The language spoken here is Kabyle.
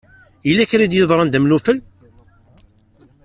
Yella kra i d-yeḍran d amnufel?